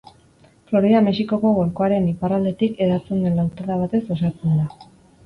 Florida Mexikoko Golkoaren iparraldetik hedatzen den lautada batez osatzen da.